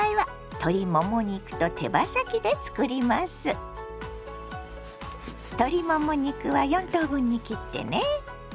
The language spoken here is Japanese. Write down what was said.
鶏もも肉は４等分に切ってね。